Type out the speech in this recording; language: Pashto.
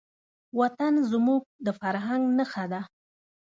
وطن زموږ د فرهنګ نښه ده.